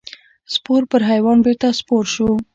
سپور پر حیوان بېرته سپور شو.